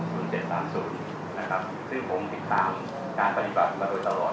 ซึ่งผมคิดถามการปฏิบัติมาโดยตลอด